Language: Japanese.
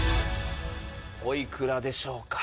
おいくらでしょうか？